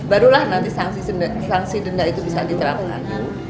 barulah nanti sanksi denda itu bisa diterapkan